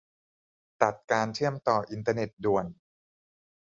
ตัดการเชื่อมต่ออินเทอร์เน็ตด่วน